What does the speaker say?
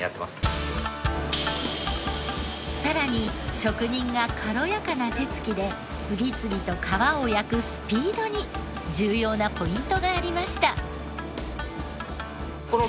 さらに職人が軽やかな手つきで次々と皮を焼くスピードに重要なポイントがありました。